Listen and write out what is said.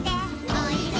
おいで。